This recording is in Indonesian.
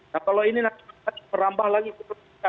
nah kalau ini nanti merambah lagi ke amerika